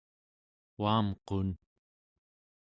uamqun